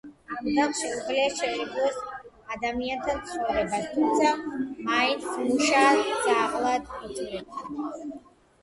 ამ ძაღლს შეუძლია შეეგუოს ადამიანთან ცხოვრებას, თუმცა მაინც მუშა ძაღლად რჩება.